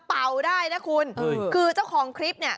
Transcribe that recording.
เป่าได้นะคุณคือเจ้าของคลิปเนี่ย